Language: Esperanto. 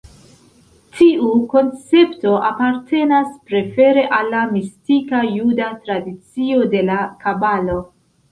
Tiu koncepto apartenas prefere al la mistika juda tradicio de la Kabalo.